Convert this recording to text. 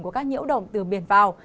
của các nhiễu động từ biển vào